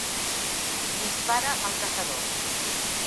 Dispara el caçador.